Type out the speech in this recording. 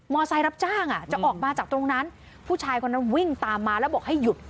ไซต์รับจ้างอ่ะจะออกมาจากตรงนั้นผู้ชายคนนั้นวิ่งตามมาแล้วบอกให้หยุด